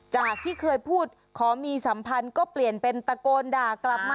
จากที่เคยพูดขอมีสัมพันธ์ก็เปลี่ยนเป็นตะโกนด่ากลับมา